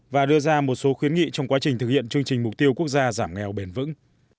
và đưa ra một số khuyến nghị trong quá trình thực hiện chương trình mục tiêu quốc gia giảm nghèo bền vững